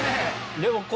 でも。